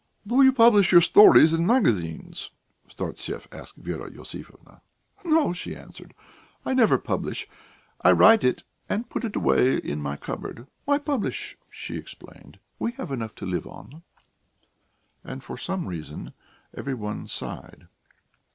"Do you publish your stories in magazines?" Startsev asked Vera Iosifovna. "No," she answered. "I never publish. I write it and put it away in my cupboard. Why publish?" she explained. "We have enough to live on." And for some reason every one sighed.